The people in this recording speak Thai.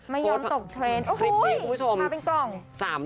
ไม่ยอมตกเทรนด์โอ้โหยมาเป็นกล้อง